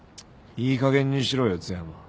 いいかげんにしろよ津山。